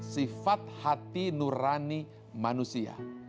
sifat hati nurani manusia